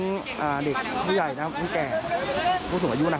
จำเหนือไว้จำเหนือไว้